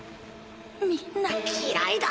みんな嫌いだ